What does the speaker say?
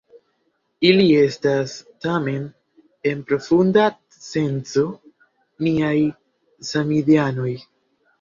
Ili estas, tamen, en profunda senco niaj samideanoj.